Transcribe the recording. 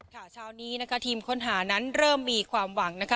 เช้านี้นะคะทีมค้นหานั้นเริ่มมีความหวังนะคะ